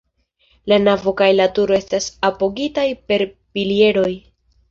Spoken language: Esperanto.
La navo kaj la turo estas apogitaj per pilieroj.